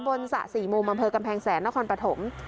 ตะบลสระสี่โมบำเภอกำแพงแสนนครปถม